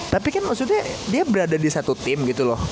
tapi kan maksudnya dia berada di satu tim gitu loh